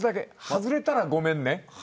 外れたらごめんね。